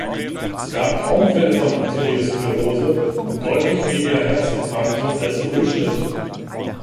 Es gab kaum Fälle von Arteriosklerose und deutlich weniger Herzinfarkte als im Durchschnitt.